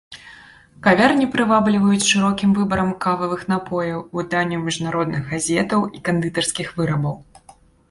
Кавярні прывабліваюць шырокім выбарам кававых напояў, выданняў міжнародных газетаў і кандытарскіх вырабаў.